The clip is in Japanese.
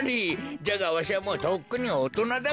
じゃがわしはもうとっくにおとなだからなあ。